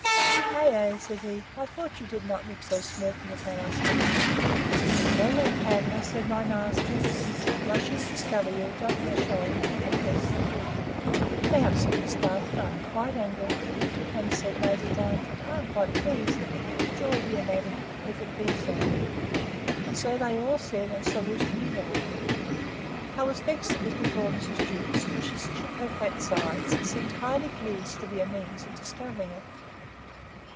—Ay, ay, said he; I thought you did not look so smirking upon us for nothing.—Well, then, Pamela, said my master, since your blushes discover you, don't be ashamed, but confess the truth! Now, said Miss Darnford, I am quite angry; and, said Lady Darnford, I am quite pleased; let me give you joy, dear madam, if it be so. And so they all said, and saluted me all round.—I was vexed it was before Mrs. Jewkes; for she shook her fat sides, and seemed highly pleased to be a means of discovering it.